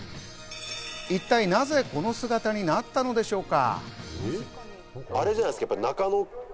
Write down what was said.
一体なぜ、この姿になったのでしょうか？